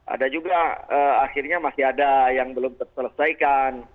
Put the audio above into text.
ada juga akhirnya masih ada yang belum terselesaikan